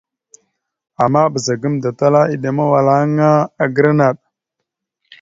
Ama ɓəza gamənda tala eɗemawala ana agra naɗ.